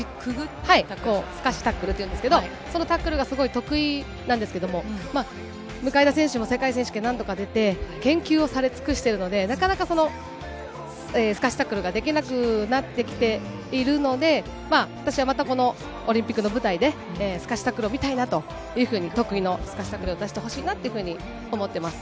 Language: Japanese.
すかしタックルというんですけど、そのタックルがすごい得意なんですけれども、向田選手も世界選手権何度か出て、研究をされ尽くしているので、なかなかすかしタックルができなくなってきているので、私はまたこの、オリンピックの舞台ですかしタックルを見たいなというふうに、得意のすかしタックルを出してほしいなというふうに思ってます。